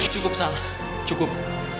cukup sal cukup